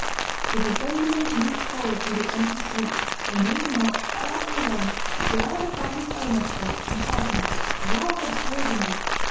The Burgundians moved forward through the empty streets; and Louis marched quietly along, surrounded by his own escort, and shouting, "Hurrah for Burgundy!"